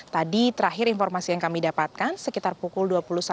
tadi terakhir informasi yang kami dapatkan sekitar pukul dua puluh satu